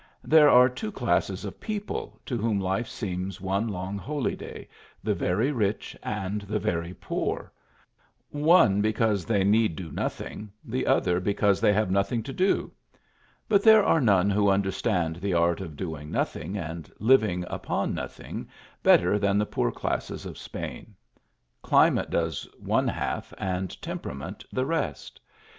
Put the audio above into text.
70 THE ALHAMBRA. There are two classes of people to whom life seems one long holyday, the very rich and the very poor ; one because they need do nothing, the other because they have nothing to do ; buuthere are none who understand the art of doing nothing and living upon nothing better than the poor classes of Spain. Climate does one half and temperament the rest.